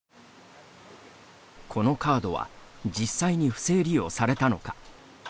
このカードは実際に不正利用されたのか。